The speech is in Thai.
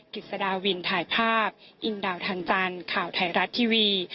กิจสดาวินถ่ายภาพอินดาวทันจันทร์ข่าวไทยรัฐทีวี